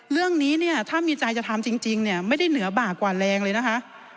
เรื่องนี้เนี่ยถ้ามีใจจะทำจริงเนี่ยไม่ได้เหนือบากกว่าแรงเลยนะคะ